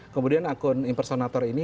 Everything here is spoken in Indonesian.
kemudian akun impersonator ini